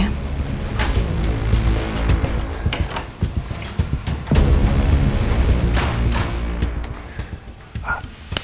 ya udah aku mau ambil